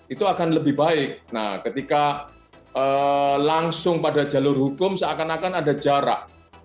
itu akan lebih baik nah ketika langsung pada jalur hukum seakan akan ada jarak